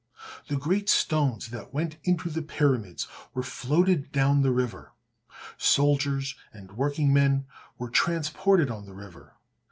The great stones that went into the pyramids were floated down the river. Soldiers and workingmen were transported on the river.